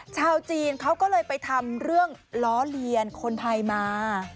ชาวจีนเขาก็เลยไปทำเรื่องล้อเลียนคนไทยมา